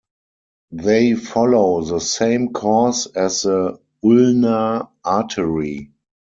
They follow the same course as the ulnar artery.